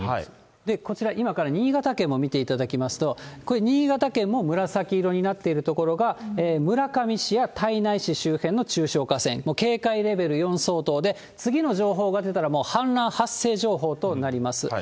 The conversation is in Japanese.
こちら、今から新潟県も見ていただきますと、これ、新潟県も紫色になっている所が、村上市や胎内市周辺の中小河川、警戒レベル４相当で、次の情報が出たら、もう氾濫発生情報となります。